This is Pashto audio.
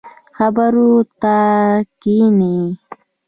خبرو ته کښیني.